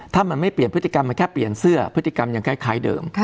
ถ้ามันไม่เปลี่ยนพฤติกรรมมันแค่เปลี่ยนเสื้อพฤติกรรมยังคล้ายเดิม